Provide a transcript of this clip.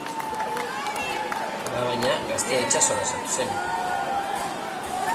Alabaina, gaztea itsasora sartu zen.